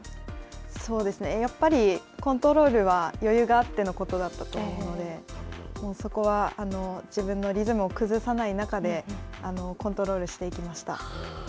やっぱり、コントロールは余裕があってのことだったと思うので、そこは自分のリズムを崩さない中でコントロールしていきました。